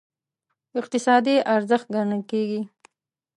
اقتصادي ارزښت ګڼل کېږي.